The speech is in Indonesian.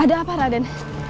ada apa raden